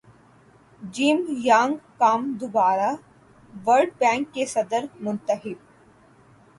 جم Yong Kim دوبارہ World Bank کے صدر منتخب